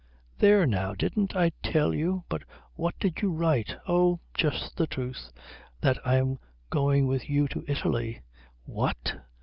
"There, now didn't I tell you? But what did you write?" "Oh, just the truth. That I'm going with you to Italy." "What?